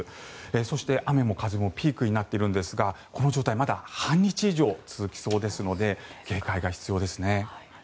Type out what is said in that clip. そして、雨も風もピークになっているんですがこの状態まだ半日以上続きそうですので警戒が必要ですね。